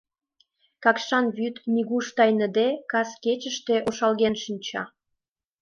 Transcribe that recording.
Какшан вӱд, нигуш тайныде, кас кечыште ошалген шинча.